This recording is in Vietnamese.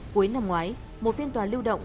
cuối năm ngoái một phiên tòa lưu động